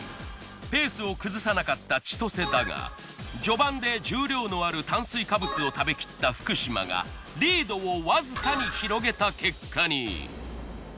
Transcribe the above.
ペースを崩さなかったちとせだが序盤で重量のある炭水化物を食べきった福島がリードをわずかに広げた結果に。